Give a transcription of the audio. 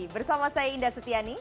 bersama saya indah setiani